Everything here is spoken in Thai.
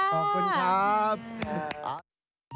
ขอบคุณครับ